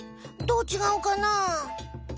どうちがうかな？